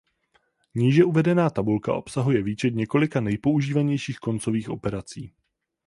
Níže uvedená tabulka obsahuje výčet několika nejpoužívanějších koncových operací.